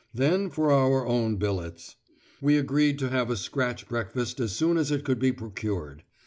Then for our own billets. We agreed to have a scratch breakfast as soon as it could be procured.